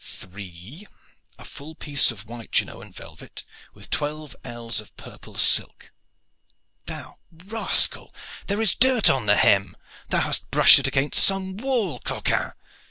Three a full piece of white Genoan velvet with twelve ells of purple silk. Thou rascal, there is dirt on the hem! Thou hast brushed it against some wall, coquin!"